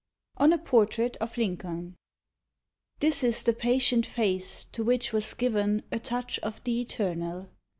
ON A PORTRAIT OF LINCOLN This is the patient face to which was given A touch of the eternal.